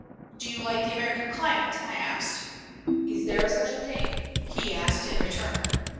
"Do you like the American climate?" I asked. "Is there such a thing?" he asked, in return.